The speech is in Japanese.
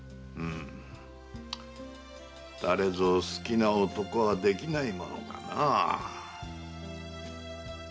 うむ誰ぞ好きな男はできないものかな。